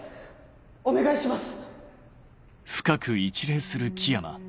お願いします！